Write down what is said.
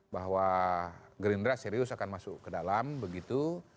bahwa gerindra serius akan masuk ke dalam begitu